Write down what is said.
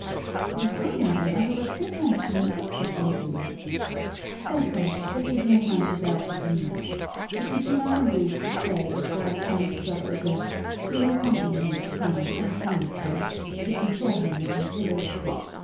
'Yet how, Madam, under what pretence, can I take such a liberty?' 'Pho, pho; this is no time for delicate demurs. If he be not engaged to stay before I turn his brother adrift, he will accompany him to town, as a thing of course, to console him in his willowed state.